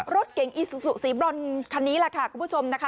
รถเก๋งอีซูซูสีบรอนคันนี้แหละค่ะคุณผู้ชมนะคะ